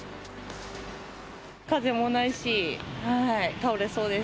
風もないし、倒れそうです。